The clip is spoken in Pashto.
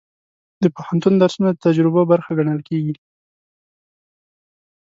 د پوهنتون درسونه د تجربو برخه ګڼل کېږي.